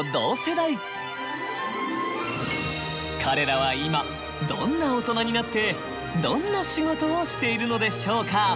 彼らは今どんな大人になってどんな仕事をしているのでしょうか？